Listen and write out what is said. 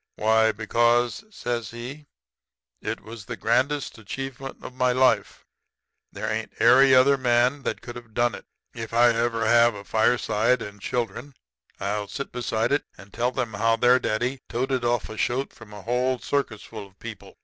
"'Why, because,' says he, 'it was the grandest achievement of my life. There ain't airy other man that could have done it. If I ever have a fireside and children, I'll sit beside it and tell 'em how their daddy toted off a shoat from a whole circus full of people.